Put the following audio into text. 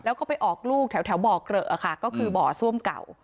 แล้วก็ไปออกลูกแถวแถวเบาเกือหมือก็คือเบาะซ่วมกัว